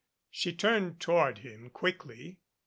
She turned toward him quickly.